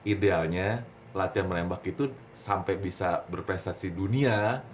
idealnya latihan menembak itu sampai bisa berprestasi dunia